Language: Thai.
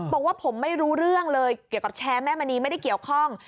บอกว่าผมไม่รู้เรื่องเลยเกี่ยวกับแชร์แม่มณีไม่ได้เกี่ยวข้อง